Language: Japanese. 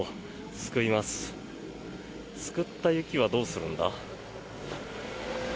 すくった雪はどうするんだ？